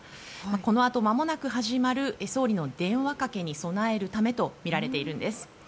このあとまもなく始まる総理の電話かけに備えるためとみられているんです。